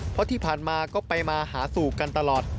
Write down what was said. เพราะที่ผ่านมาก็ไปมาหาสู่กันตลอด